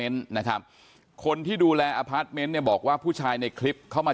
นะครับคนที่ดูแลเนี้ยบอกว่าผู้ชายในคลิปเขามา